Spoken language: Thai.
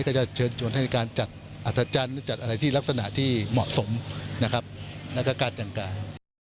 ก็จะเชิญทางการจัดอัศจรรย์จัดอะไรที่ลักษณะที่เหมาะสมและก็การจังการ